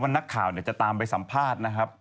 นักข่าวจะตามไปสัมภาษณ์นะครับ